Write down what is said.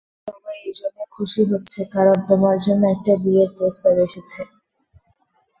সবাই এই জন্য খুশি হচ্ছে, কারন তোমার জন্য একটা বিয়ের প্রস্তাব এসেছে।